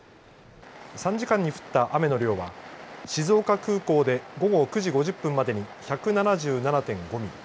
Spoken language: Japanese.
３時間に降った雨の量は静岡空港で午後９時５０分までに１７７．５ミリ